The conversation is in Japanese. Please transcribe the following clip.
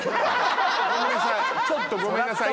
ちょっとごめんなさい。